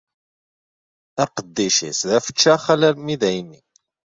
Aqeddic-is d afeččax alarmi dayen.